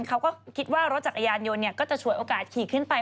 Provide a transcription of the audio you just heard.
เขาก็คิดว่ารถจักรยานยนต์ก็จะฉวยโอกาสขี่ขึ้นไป